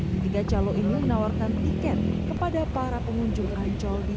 ketiga calon ini menawarkan tiket kepada para pengunjung ancol di